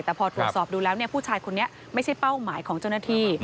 แต่พอตรวจสอบดูแล้วผู้ชายคนนี้ไม่ใช่เป้าหมายของเจ้าหน้าที่